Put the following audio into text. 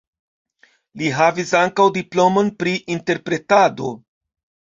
Li havis ankaŭ diplomon pri interpretado.